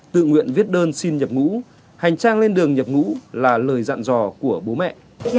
tự nguyện viết đơn xin nhập ngũ hành trang lên đường nhập ngũ là lời dặn dò của bố mẹ